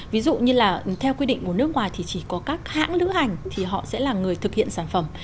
ví dụ như là theo quy định của nước ngoài thì chỉ có các hãng lữ hành thì họ sẽ là người thực hiện sản phẩm